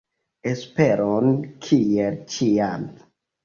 Esperon, kiel ĉiam!